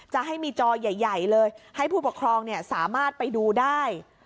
จะให้มีจอใหญ่เลยให้ผู้ปกครองสามารถไปดูได้